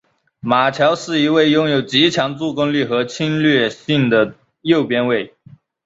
马乔是一位拥有极强助攻力和侵略性的右边卫。